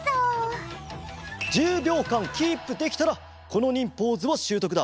１０びょうかんキープできたらこの忍ポーズはしゅうとくだ。